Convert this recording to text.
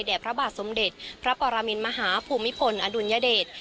พระบาทสมเด็จพระปรมินมหาภูมิพลอดุลยเดช